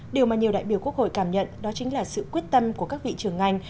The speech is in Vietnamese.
điều mà nhiều đại biểu quốc hội cảm nhận đó chính là sự quyết tâm của các vị trưởng ngành